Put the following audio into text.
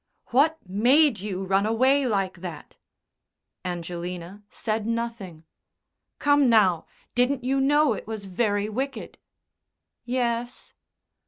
"What made you run away like that?" Angelina said nothing. "Come, now! Didn't you know it was very wicked?" "Yes."